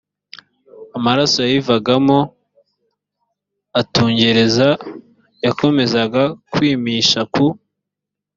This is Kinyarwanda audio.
amaraso yayivagamo atungereza yakomezaga kwimisha ku